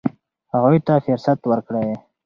هغوی ته فرصت ورکړئ.